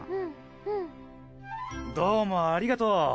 どうもありがとう。